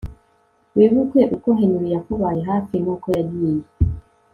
wibuke uko Henry yakubaye hafi nuko yagiye